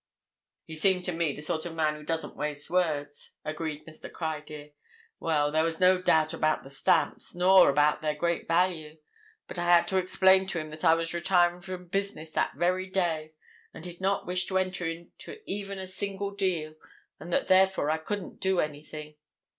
"He seemed to me the sort of man who doesn't waste words," agreed Mr. Criedir. "Well, there was no doubt about the stamps, nor about their great value. But I had to explain to him that I was retiring from business that very day, and did not wish to enter into even a single deal, and that, therefore, I couldn't do anything.